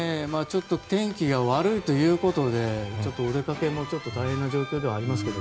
天気が悪いということでお出かけもちょっと大変な状況ではありますけど。